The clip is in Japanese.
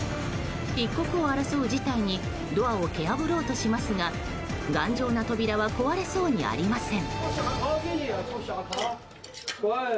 一刻を争う事態にドアを蹴破ろうとしますが頑丈な扉は壊れそうにありません。